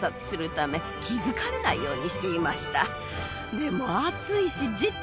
でも。